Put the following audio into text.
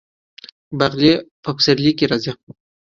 باقلي په پسرلي کې راځي.